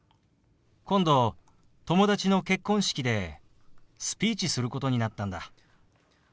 今度友達の結婚式でスピーチすることになったんだ。